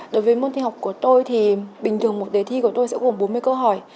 đối với môn thi học của tôi thì bình thường một đề thi của tôi sẽ gồm bốn mươi câu hỏi